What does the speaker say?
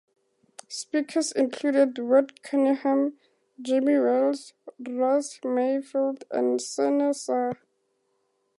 Speakers included Ward Cunningham, Jimmy Wales, Ross Mayfield and Sunir Shah.